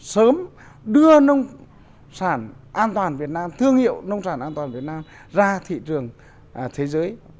sớm đưa nông sản an toàn việt nam thương hiệu nông sản an toàn việt nam ra thị trường thế giới